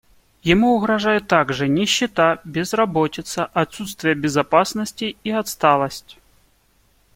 Ему угрожают также нищета, безработица, отсутствие безопасности и отсталость.